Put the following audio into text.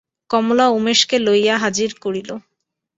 কমলা উমেশকে লইয়া হাজির করিল।